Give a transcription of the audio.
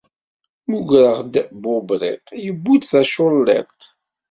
Mugreɣ-d Bubriṭ, yewwi-d taculliḍt.